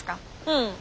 うん。